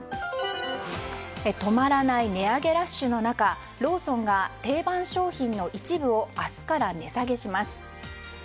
止まらない値上げラッシュの中ローソンが定番商品の一部を明日から値下げします。